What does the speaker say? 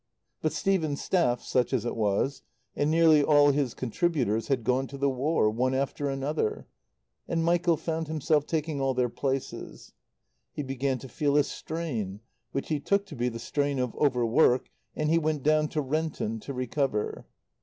But Stephen's staff, such as it was, and nearly all his contributors had gone to the War, one after another, and Michael found himself taking all their places. He began to feel a strain, which he took to be the strain of overwork, and he went down to Renton to recover.